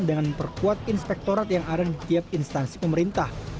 dengan memperkuat inspektorat yang ada di tiap instansi pemerintah